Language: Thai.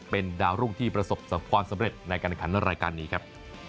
เป็นดาวรุ่งที่ประสบความสำเร็จในการแข่งขันรายการนี้ครับ